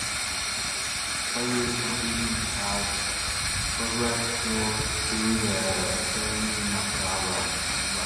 Players competing had progressed through the earlier knockout round.